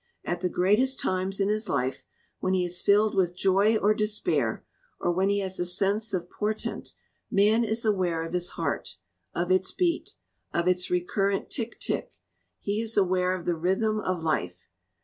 At the greatest times in his life, when he is rilled with joy or despair, or when he has a sense of portent, man is aware of his heart, of its beat, of its recurrent tick, tick; he is aware of the rhythm of life.